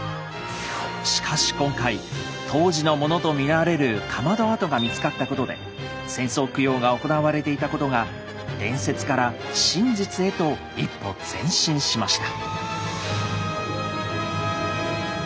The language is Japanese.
しかし今回当時のものと見られるかまど跡が見つかったことで千僧供養が行われていたことが伝説から真実へと一歩前進しました。